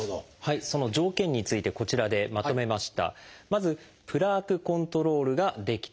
その条件についてこちらでまとめました。